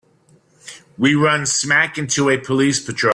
We run smack into a police patrol.